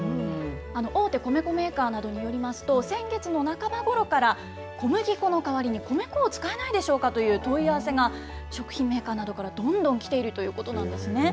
大手米粉メーカーなどによりますと、先月の半ばごろから、小麦粉の代わりに米粉を使えないでしょうかという問い合わせが、食品メーカーなどからどんどん来ているということなんですね。